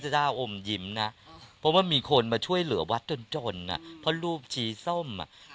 ด้วยเหลือวัดจนจนอ่ะเพราะรูปชีส้มอ่ะ